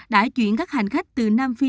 đã chuyển các hành khách từ nam phi